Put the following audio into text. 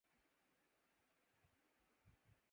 کہ یہ شیرازہ ہے عالم کے اجزائے پریشاں کا